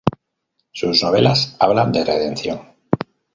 Sus novelas hablan de redención.